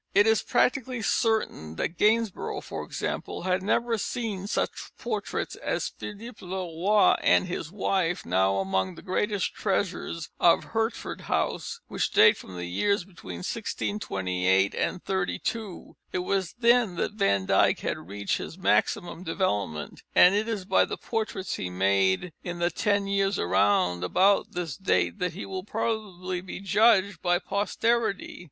It is practically certain that Gainsborough, for example, had never seen such portraits as the Philippe le Roy and his wife, now among the greatest treasures of Hertford House, which date from the years between 1628 32. It was then that Van Dyck had reached his maximum development, and it is by the portraits he made in the ten years round about this date that he will probably be judged by posterity.